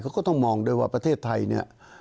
เขาก็ต้องมองด้วยว่าประเทศไทยเนี่ย